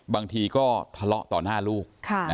บางทีก็ทะเลาะต่อหน้าลูก